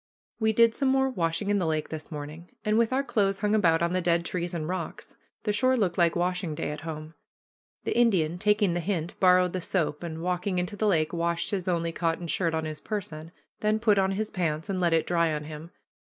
We did some more washing in the lake this morning, and, with our clothes hung about on the dead trees and rocks, the shore looked like washing day at home. The Indian, taking the hint, borrowed the soap, and, walking into the lake, washed his only cotton shirt on his person, then put on his pants and let it dry on him.